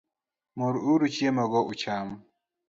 Mur uru chiemo go ucham